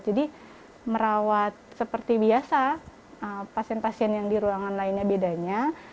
jadi merawat seperti biasa pasien pasien yang di ruangan lainnya bedanya